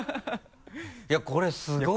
いやこれすごいよ。